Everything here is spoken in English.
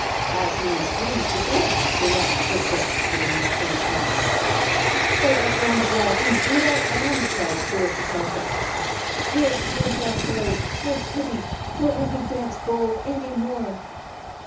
"Thou seemest pleased to see us," remarked Pertzal with a mocking smile. "Oh, I am glad, indeed I am," cried poor Etelka. "Dear kind Herr Fairy, have pity! Don't let me dance gold any more!"